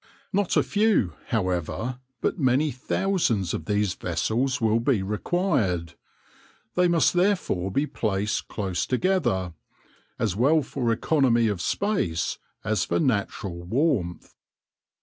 Not a few, however, but many thousands of these vessels will be required : they must therefore be placed close together, as well for economy of space as for natural warmth.